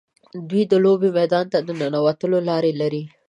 دوی د لوبې میدان ته د ننوتلو لارې لري.